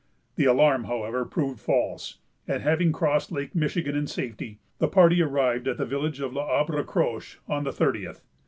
The alarm, however, proved false; and, having crossed Lake Michigan in safety, the party arrived at the village of L'Arbre Croche on the thirtieth.